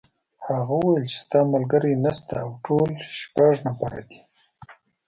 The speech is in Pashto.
هغه وویل چې ستا ملګري نشته او ټول شپږ نفره دي.